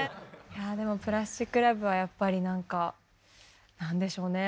いやでも「プラスティック・ラブ」はやっぱりなんか何でしょうね